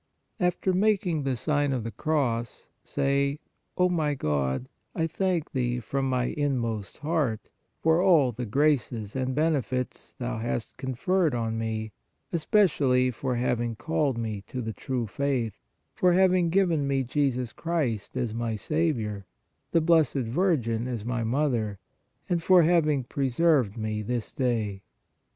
After making the sign of the cross, say : O my God, I thank Thee from my inmost heart for all the graces and bene fits Thou hast conferred on me, especially for hav ing called me to the true faith, for having given me Jesus Christ as my Saviour, the Blessed Virgin as my Mother, and for having preserved me this day.